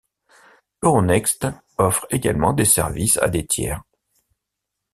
Euronext offre également des services à des tiers.